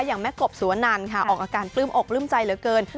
อย่างแม่กบสุวนันค่ะออกอาการปลื้มอกปลื้มใจเหลือเกิน